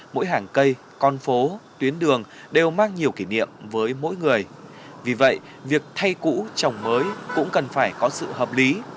mỗi hàng cây con phố tuyến đường đều mang nhiều kỷ niệm với mỗi người vì vậy việc thay cũ trồng mới cũng cần phải có sự hợp lý